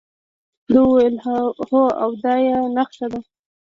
ده وویل هو او دا یې نخښه ده.